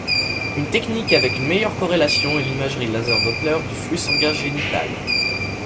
Une technique avec une meilleure corrélation est l'imagerie laser Doppler du flux sanguin génital.